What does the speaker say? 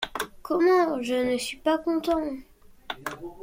Comment ! je ne suis pas content !